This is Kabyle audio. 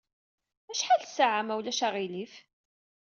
Acḥal ssaɛa, ma ulac aɣilif?